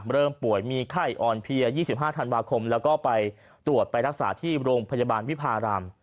เริ่มป่วยมีไข้อ่อนเพลีย๒๕ธันวาคมแล้วก็ไปตรวจไปรักษาที่โรงพยาบาลวิพาราม